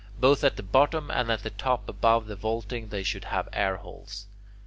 Both at the bottom and at the top above the vaulting they should have airholes.